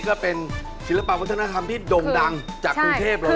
ก็เป็นศิลปะวัฒนธรรมที่ด่งดังจากกรุงเทพเลย